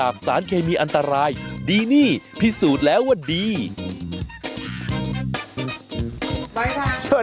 บาบีครับสวัสดีครับ